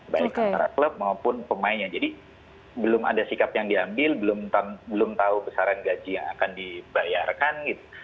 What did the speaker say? baik antara klub maupun pemainnya jadi belum ada sikap yang diambil belum tahu besaran gaji yang akan dibayarkan gitu